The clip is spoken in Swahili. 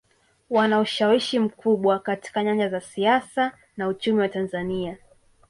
Wana ushawishi mkubwa katika nyanja za siasa na uchumi wa Tanzania